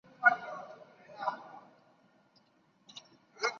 台视稍后曾于不同时段重播本作品。